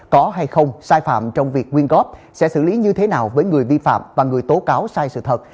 có hay không sai phạm trong việc nguyên góp sẽ xử lý như thế nào với người vi phạm và người tố cáo sai sự thật